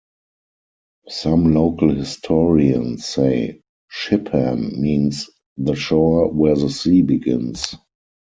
Some local historians say "Shippan" means "the shore where the sea begins.